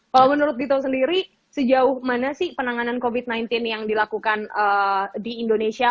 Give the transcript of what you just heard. kalau menurut dito sendiri sejauh mana sih penanganan covid sembilan belas yang dilakukan di indonesia